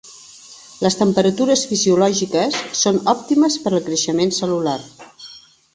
Les temperatures fisiològiques són òptimes per al creixement cel·lular.